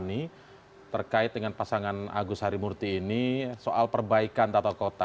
ini terkait dengan pasangan agus harimurti ini soal perbaikan tata kota